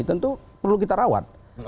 tentu perlu kita rawat